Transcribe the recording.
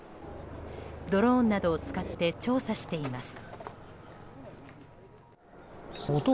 ドローンなどを使って調査しています。